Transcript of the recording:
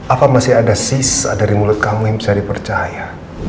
apa masih ada sisa dari mulut kamu yang bisa dipercaya